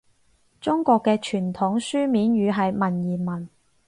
中國嘅傳統書面語係文言文